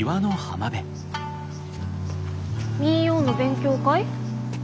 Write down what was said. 民謡の勉強会？